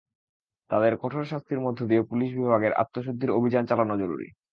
তাঁদের কঠোর শাস্তির মধ্য দিয়ে পুলিশ বিভাগের আত্মশুদ্ধির অভিযান চালানো জরুরি।